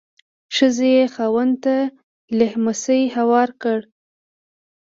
ښځې یې خاوند ته لیهمڅی هوار کړ.